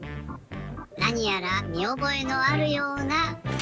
なにやらみおぼえのあるような。